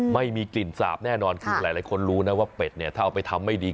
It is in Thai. ไม่มีกลิ่นสาบแน่นอนคือหลายคนรู้นะว่าเป็ดเนี่ยถ้าเอาไปทำไม่ดี